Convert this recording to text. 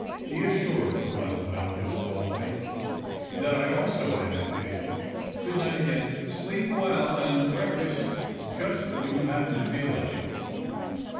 " Be assured," smiled the doctor, suavely, " that I also am impatient. Good night again — sleep well, and breakfast just when you ha])pen to feel like it."